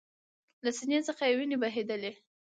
له سینې څخه یې ویني بهېدلې